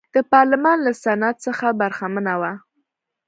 د پارلمان له سنت څخه برخمنه وه.